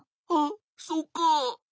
あっそうか。